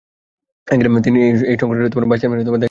তিনি এই সংগঠনের ভাইস চেয়ারম্যানের দায়িত্বও পালন করেন।